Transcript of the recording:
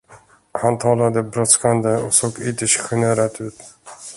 Han talade brådskande och såg ytterst generad ut.